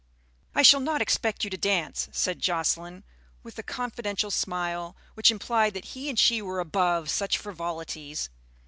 "I shall not expect you to dance," said Jocelyn, with a confidential smile which implied that he and she were above such frivolities.